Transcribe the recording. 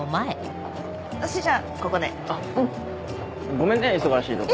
ごめんね忙しいところ。